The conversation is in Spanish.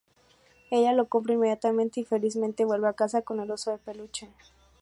Ella lo compra inmediatamente y felizmente vuelve a casa con el oso de peluche.